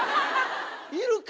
いるか？